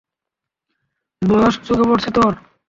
বয়স চোখে পড়ছে তোর।